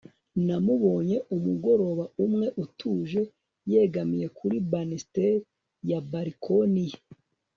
namubonye, umugoroba umwe utuje, yegamiye kuri banisteri ya balkoni ye